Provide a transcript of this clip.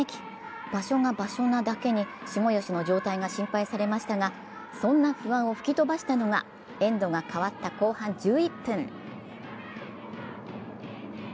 場所が場所なだけに、下吉の状態が心配されましたがそんな不安を吹き飛ばしたのがエンドが変わった後半１１分。